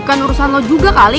bukan urusan lo juga kali